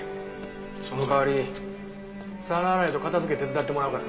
その代わり皿洗いと片付け手伝ってもらうからな。